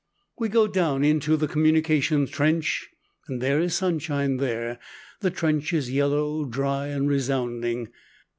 We go down into the communication trench and there is sunshine there. The trench is yellow, dry, and resounding.